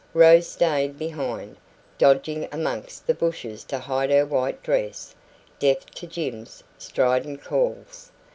Rose stayed behind, dodging amongst the bushes to hide her white dress, deaf to Jim's strident calls.